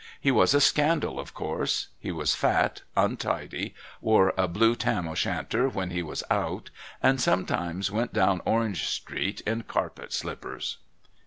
He was a scandal, of course; he was fat, untidy, wore a blue tam o' shanter when he was "out," and sometimes went down Orange Street in carpet slippers.